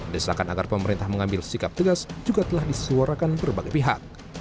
desakan agar pemerintah mengambil sikap tegas juga telah disuarakan berbagai pihak